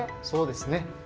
そうですね。